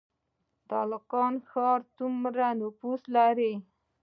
تالقان ښار څومره نفوس لري؟